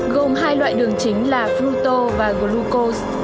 gồm hai loại đường chính là fructose và glucose